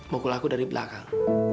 mukul aku dari belakang